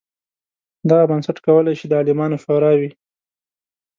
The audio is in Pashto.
دغه بنسټ کولای شي د عالمانو شورا وي.